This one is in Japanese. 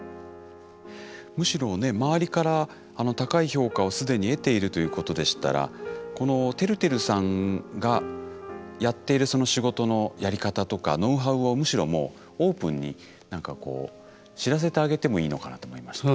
むしろね周りから高い評価を既に得ているということでしたらこのてるてるさんがやっている仕事のやり方とかノウハウをむしろもうオープンに何かこう知らせてあげてもいいのかなと思いました。